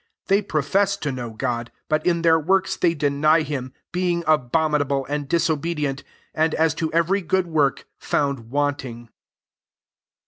16 They profess to know God : but in their works they deny himj being abomin able, and disobedient, and as to every good work found want ing.